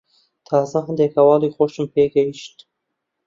تازە هەندێک هەواڵی خۆشم پێ گەیشت.